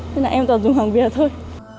thế là em toàn dùng hàng việt thôi